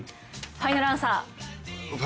ファイナルアンサー。